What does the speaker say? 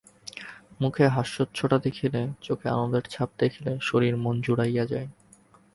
মুখে হাস্যচ্ছটা দেখিলে, চোখে আনন্দের ছাপ দেখিলে শশীর মন জুড়াইয়া যায়!